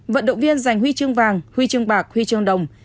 vận động viên giành huy chương vàng huy chương bạc huy chương đồng